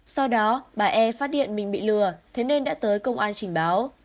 sau đó bà e phát điện mình bị lừa thế nên đã tới công an trình báo